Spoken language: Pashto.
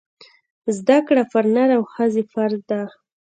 زده کړه پر نر او ښځي فرځ ده